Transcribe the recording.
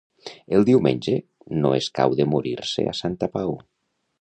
El diumenge no escau de morir-se a Santa Pau.